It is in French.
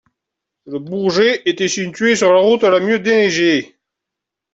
Le Bourget était située sur la route la mieux déneigée.